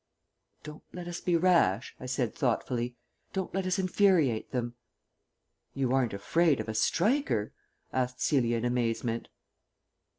"Don't let us be rash," I said thoughtfully. "Don't let us infuriate them." "You aren't afraid of a striker?" asked Celia in amazement.